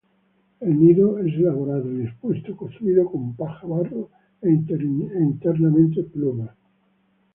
El nido es elaborado y expuesto, construido con paja, barro e, internamente, plumas.